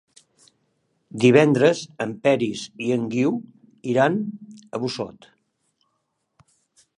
Divendres en Peris i en Guiu iran a Busot.